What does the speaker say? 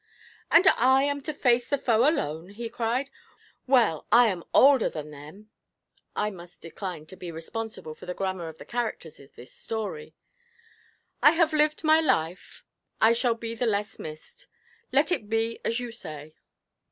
'And I am to face the foe alone?' he cried. 'Well, I am older than them' (I must decline to be responsible for the grammar of the characters of this story). 'I have lived my life I shall be the less missed.... Let it be as you say.'